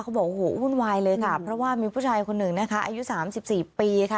เขาบอกโอ้โหหุ้นวายเลยค่ะเพราะว่ามีผู้ชายคนหนึ่งนะคะอายุ๓๔ปีค่ะ